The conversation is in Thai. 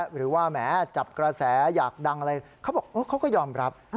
หรือว่าแหมจับกระแสอยากดังอะไรเขาบอกเขาก็ยอมรับ